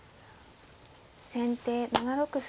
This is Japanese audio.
先手７六歩。